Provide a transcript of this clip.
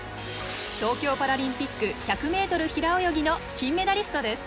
東京パラリンピック１００ｍ平泳ぎの金メダリストです。